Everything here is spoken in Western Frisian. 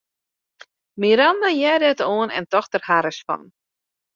Miranda hearde it oan en tocht der harres fan.